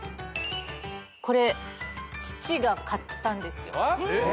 これ父が買ったんですよ。